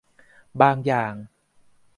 บางอย่าง